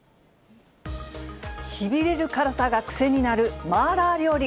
しびれる辛さが癖になる麻辣料理。